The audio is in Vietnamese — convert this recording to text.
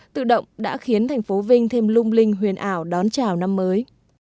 tự động đã khiến thành phố vinh thêm lung linh huyền ảo đón chào năm mới